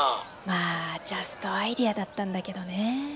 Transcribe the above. まあジャストアイデアだったんだけどね。